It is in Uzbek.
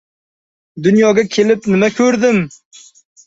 «Dunyoga kelib nima ko‘rdim?»